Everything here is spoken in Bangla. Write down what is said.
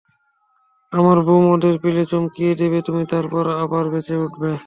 আর বুম, ওদের পিলে চমকিয়ে দেবে তুমি, তারপর আবার বেঁচে উঠবে।